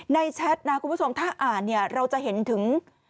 ในแชทคุณผู้ชมถ้าอ่านเราจะเห็นถึง